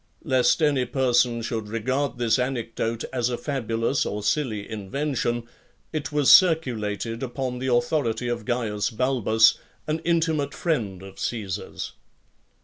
Lest any person should regard this anecdote as a fabulous or silly invention, it was circulated upon the authority of Caius Balbus, an intimate friend of Caesar's.